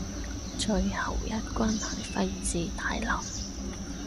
最後一關喺廢置大樓